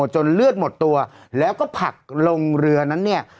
จนเลือดหมดตัวแล้วก็ผลักลงเรือนั้นเนี่ย